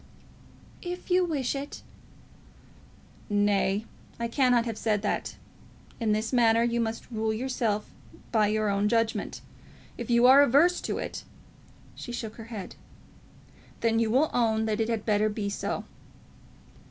"If you wish it." "Nay; I cannot have that said. In this matter you must rule yourself by your own judgment. If you are averse to it " She shook her head. "Then you will own that it had better be so."